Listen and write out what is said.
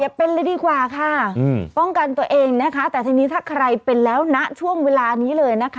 เป็นเลยดีกว่าค่ะป้องกันตัวเองนะคะแต่ทีนี้ถ้าใครเป็นแล้วนะช่วงเวลานี้เลยนะคะ